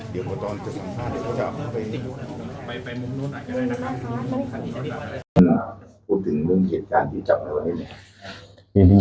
เวลาพูดถึงเรื่องเหตุการณ์ที่จับไว้วันนี้